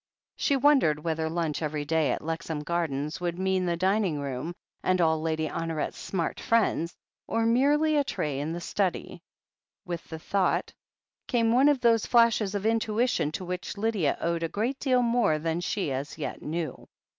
... She wondered whether lunch every day at Lexham Gardens would mean the dining room and all Lady Honoret's smart friends, or merely a tray in the study. With the thought came one of those flashes of intuition to which Lydia owed a great deal more than she as yet knew.